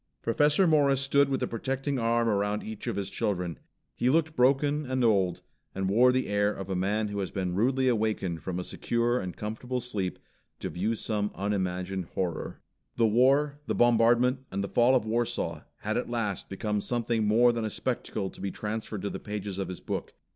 Professor Morris stood with a protecting arm around each of his children. He looked broken and old, and wore the air of a man who has been rudely wakened from a secure and comfortable sleep to view some unimagined horror. The War, the bombardment and the fall of Warsaw, had at last become something more than a spectacle to be transferred to the pages of his book.